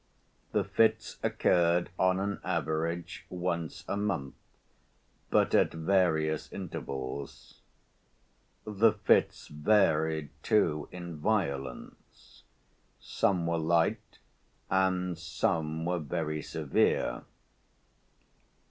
The fits occurred, on an average, once a month, but at various intervals. The fits varied too, in violence: some were light and some were very severe.